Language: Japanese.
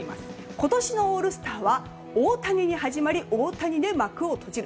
今年のオールスターは大谷に始まり大谷で幕を閉じる。